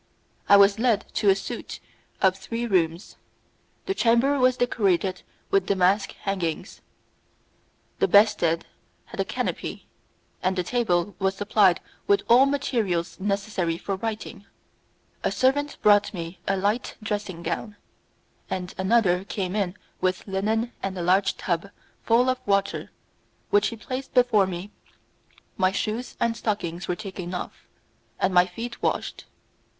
I was led to a suite of three rooms; the chamber was decorated with damask hangings, the bedstead had a canopy, and the table was supplied with all materials necessary for writing. A servant brought me a light dressing gown, and another came in with linen and a large tub full of water, which he placed before me; my shoes and stockings were taken off, and my feet washed.